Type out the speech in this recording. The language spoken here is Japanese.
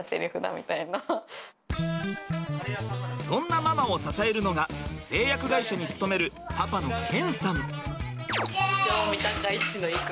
そんなママを支えるのが製薬会社に勤めるパパの謙さん。